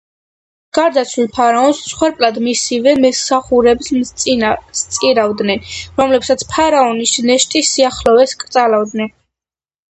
გარდაცვლილ ფარაონს მსხვერპლად მისივე მსახურებს სწირავდნენ, რომლებსაც ფარაონის ნეშტის სიახლოვეს კრძალავდნენ.